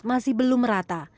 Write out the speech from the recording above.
masih belum merata